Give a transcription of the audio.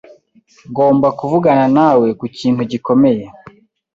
Ngomba kuvugana nawe kukintu gikomeye.